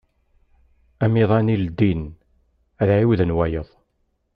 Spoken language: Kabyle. Amiḍan i ldin, ad ɛiwden wayeḍ.